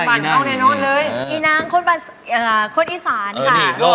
อีนางคนอีสานค่ะ